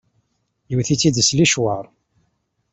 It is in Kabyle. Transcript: Iwwet-it-id s licwaṛ.